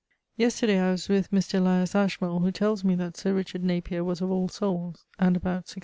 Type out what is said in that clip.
Yesterday I was with Mr. Elias Ashmole, who tells me that Sir Richard Napier[AF] was of Allsoules, and about 1642.